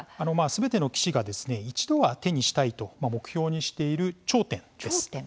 すべての棋士が一度は手にしたいと目標にしている頂点です。